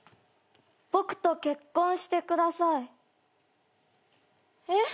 「僕と結婚してください」えっ？